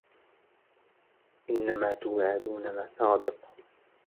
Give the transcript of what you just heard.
إِنَّما توعَدونَ لَصادِقٌ